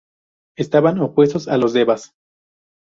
Estaban opuestos a los "devas".